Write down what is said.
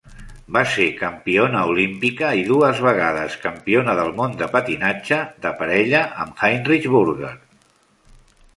Va ser campiona olímpica i dues vegades campiona del món de patinatge de parella amb Heinrich Burger.